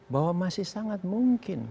bahwa masih sangat mungkin